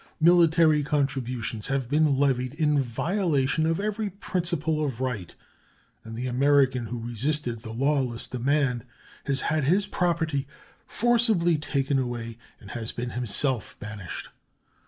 Military contributions have been levied in violation of every principle of right, and the American who resisted the lawless demand has had his property forcibly taken away and has been himself banished.